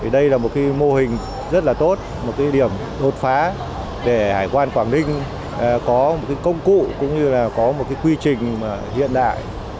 đây là một mô hình rất tốt một điểm đột phá để hải quan quảng ninh có một công cụ cũng như có một quy trình hiện đại